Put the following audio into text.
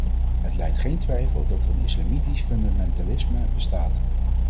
Het lijdt geen twijfel dat er een islamitisch fundamentalisme bestaat.